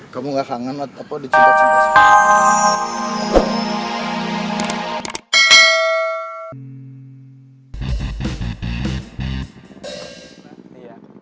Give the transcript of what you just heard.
kamu enggak kangen waktu dicintai